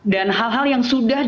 dan hal hal yang sudah